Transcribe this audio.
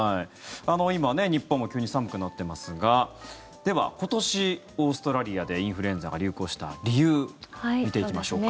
今、日本も急に寒くなってますがでは今年、オーストラリアでインフルエンザが流行した理由を見ていきましょうか。